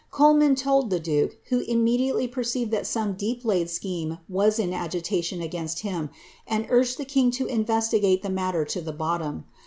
Coleman told the duke, who immediately perceived that some deep laid scheme was in agiuition against himself, and urged the king to investigale the matter to the bottom.